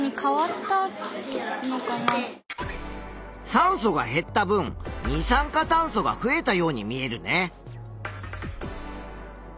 酸素が減った分二酸化炭素が増えたように見えるね。